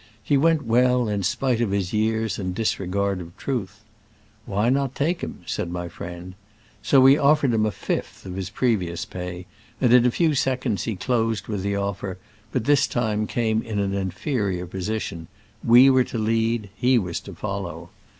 He went well, in spite of his years and disregard of truth. "Why not take him ?" said my friend. So we offered him a fifth of his previous pay, and in a few seconds he closed with the offer, but this time came in an inferior position — we were to lead, he to follow.